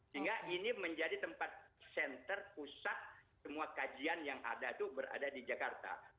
sehingga ini menjadi tempat senter pusat semua kajian yang ada itu berada di jakarta